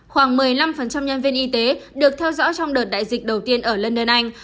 khoảng một mươi năm nhân viên y tế được theo dõi trong đợt đại dịch đầu tiên ở london anh